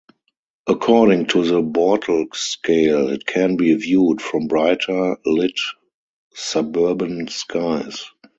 According to the Bortle scale, it can be viewed from brighter lit suburban skies.